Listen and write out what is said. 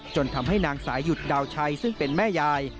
ทำให้นางสายุดดาวชัยซึ่งเป็นแม่ยาย